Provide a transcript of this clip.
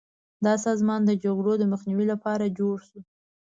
دا سازمان د جګړو د مخنیوي لپاره جوړ شو.